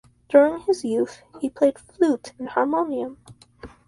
During his youth he played flute and harmonium.